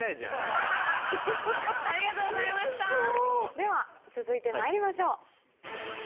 では続いてまいりましょう。